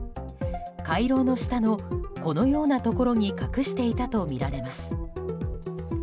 回廊の下のこのようなところに隠していたとみられます。